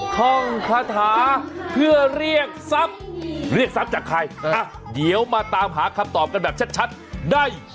ท่องคาถาเพื่อเรียกทรัพย์เรียกทรัพย์จากใครอ่ะเดี๋ยวมาตามหาคำตอบกันแบบชัดได้